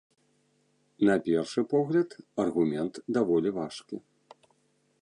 На першы погляд, аргумент даволі важкі.